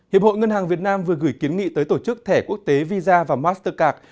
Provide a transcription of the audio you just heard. hiệp hội ngân hàng việt nam vừa gửi kiến nghị tới tổ chức thẻ quốc tế visa và mastercard